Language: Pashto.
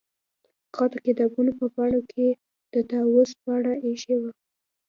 هغه د کتابونو په پاڼو کې د طاووس بڼکه ایښې وه